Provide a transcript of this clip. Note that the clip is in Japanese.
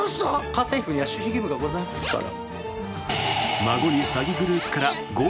家政夫には守秘義務がございますから。